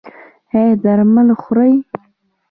ایا درمل خورئ؟